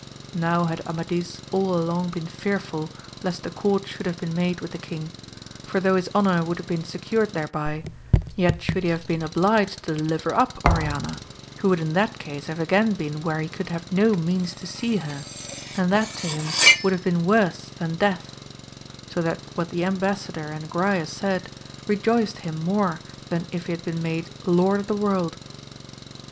Now had Ama dis all along been fearful lest accord should have been made with the king, for though his honour would have been secured thereby, yet should he have been obliged to deliver up Oriana, who would in that case have again been where he could have no means to see her, and that to him would have been worse than death; so that what the embassador and Agrayes said, rejoiced him more than if he had been made lord of the world.